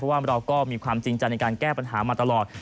ว่าเราก็มีความจริงใจในการแก้ปัญหามาตลอด